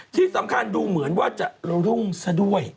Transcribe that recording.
ที่สำคัญดูเหมือนว่าจะรุ่งซะด้วย